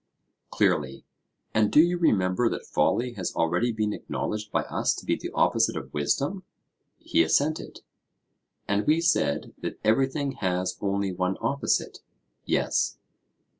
Clearly. And do you remember that folly has already been acknowledged by us to be the opposite of wisdom? He assented. And we said that everything has only one opposite? Yes.